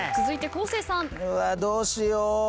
続いて昴生さん。どうしよ。